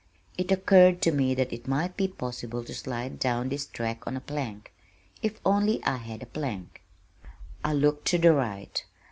It occurred to me that it might be possible to slide down this track on a plank if only I had a plank! I looked to the right.